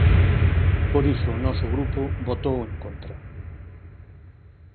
Por iso o noso grupo votou en contra.